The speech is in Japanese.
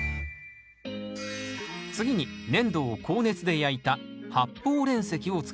次に粘土を高熱で焼いた発泡煉石を使います。